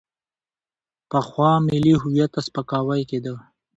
پخوا ملي هویت ته سپکاوی کېده.